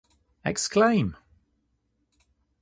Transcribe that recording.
Exclaim!